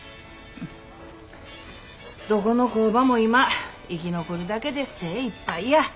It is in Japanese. どこの工場も今生き残るだけで精いっぱいや。